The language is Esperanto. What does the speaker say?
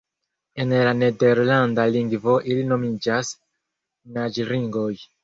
En la nederlanda lingvo ili nomiĝas naĝringoj.